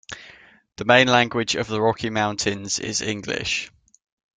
The main language of the Rocky Mountains is English.